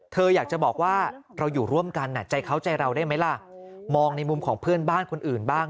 เธออยากจะบอกว่าเราอยู่ร่วมกันใจเขาใจเราได้ไหมล่ะมองในมุมของเพื่อนบ้านคนอื่นบ้าง